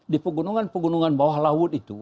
di pegunungan pegunungan bawah laut itu